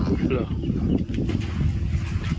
หรือ